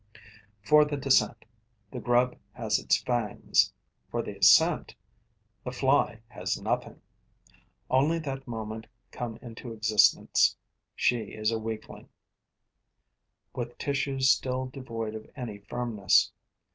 For the descent, the grub has its fangs; for the assent, the fly has nothing. Only that moment come into existence, she is a weakling, with tissues still devoid of any firmness.